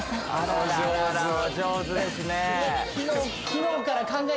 お上手ですね・